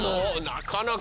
なかなか。